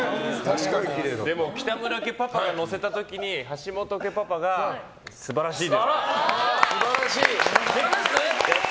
でも北村家パパが載せた時に橋本家パパが、素晴らしいって。